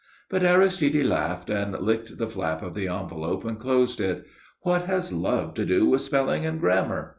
But Aristide laughed and licked the flap of the envelope and closed it. "What has love to do with spelling and grammar?